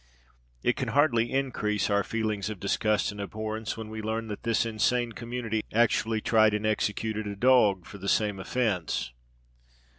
It can hardly increase our feelings of disgust and abhorrence when we learn that this insane community actually tried and executed a dog for the same offence!